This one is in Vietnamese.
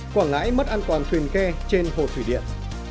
quảng ngãi mất an toàn thuyền kè trên hồ thủy điện